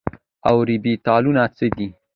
اوربيتالونه څه دي ؟